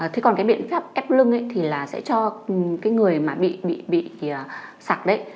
thế còn cái biện pháp ép lưng thì là sẽ cho cái người mà bị bị bị sặc đấy